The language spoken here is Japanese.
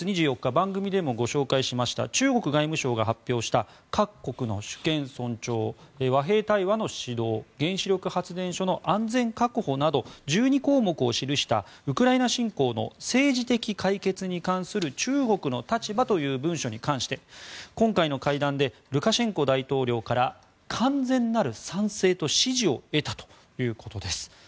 番組でもご紹介しました中国外務省が発表した各国の主権尊重和平対話の始動原子力発電所の安全確保など１２項目を記したウクライナ侵攻の政治的解決に関する中国の立場という文書に関して今回の会談でルカシェンコ大統領から完全なる賛成と支持を得たということです。